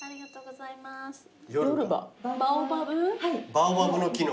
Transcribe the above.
バオバブの木の？